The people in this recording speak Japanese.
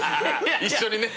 一緒にね。